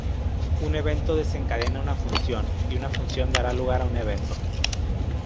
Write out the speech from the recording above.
Un Evento desencadena una Función; y una Función dará lugar a un Evento.